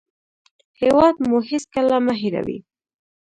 هېواد مو هېڅکله مه هېروئ